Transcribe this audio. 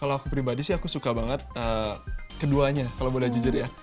kalau aku pribadi sih aku suka banget keduanya kalau boleh jujur ya